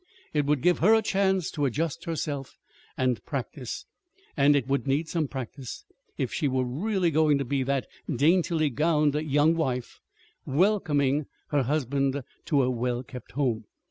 It would give her a chance to adjust herself and practice and it would need some practice if she were really going to be that daintily gowned young wife welcoming her husband to a well kept home!